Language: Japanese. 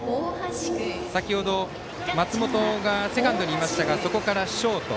先程、松本がセカンドにいましたがそこからショート。